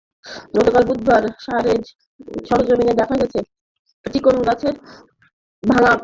গতকাল বুধবার সরেজমিনে দেখা গেছে, কিচক বাজারের ভাঙাচোরা অংশ এখন কাদাপানিতে একাকার।